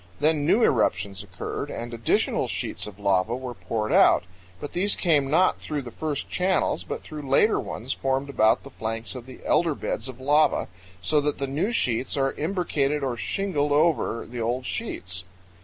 Then new eruptions occurred and additional sheets of lava were poured out; but these came not through the first channels, but through later ones formed about the flanks of the elder beds of lava, so that the new sheets are imbricated or shingled over the old sheets.